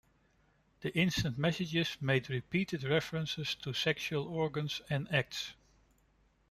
The instant messages made repeated references to sexual organs and acts.